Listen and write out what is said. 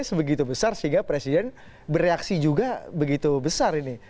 sebegitu besar sehingga presiden bereaksi juga begitu besar ini